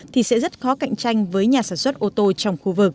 thì sẽ rất khó cạnh tranh với nhà sản xuất ô tô trong khu vực